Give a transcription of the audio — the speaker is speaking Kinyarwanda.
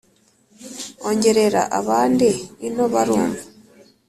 Ongerera abandi ino barumva